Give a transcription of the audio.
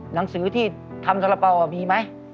หนังสือที่ทำสาระเป๋ามีไหม